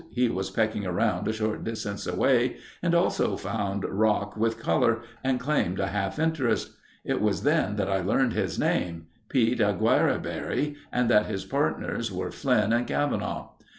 He was pecking around a short distance away and also found rock with color and claimed a half interest. It was then that I learned his name—Pete Auguerreberry and that his partners were Flynn and Cavanaugh.